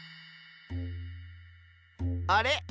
あれ？